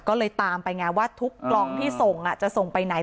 ก็เลยตามไปไงว่าทุกกล่องที่ส่งจะส่งไปไหน